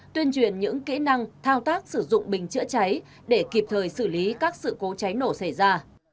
tuyên truyền những kỹ năng thao tác sử dụng bình chữa cháy để kịp thời xử lý các sự cố cháy nổ xảy ra